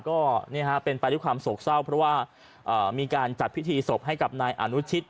ก็เป็นไปด้วยความโศกเศร้าเพราะว่ามีการจัดพิธีศพให้กับนายอนุชิต